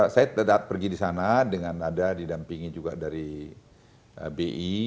saya pergi di sana dengan ada didampingi juga dari bi